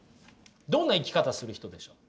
どんな生き方する人でしょう？